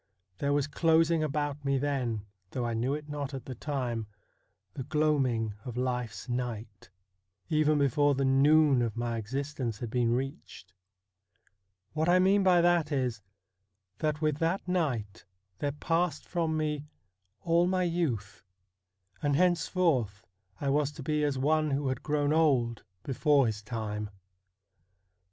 There was closing about me then, though I knew it not at the time, the gloaming of life's night, even before the noon of my existence had been reached. What I mean by that is, that with that night there passed from me all my youth, and henceforth I was to be as one who had grown old before his time.